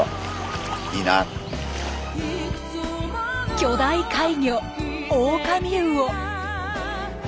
巨大怪魚オオカミウオ。